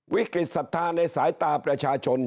วิกฤตศรัทธาในสายตาประชาชน